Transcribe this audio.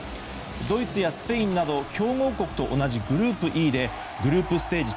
ドイツやスペインなど強豪国と同じグループＥでグループステージ